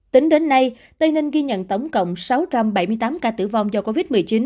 tính đến nay tây ninh ghi nhận tổng cộng sáu trăm bảy mươi tám ca tử vong do covid một mươi chín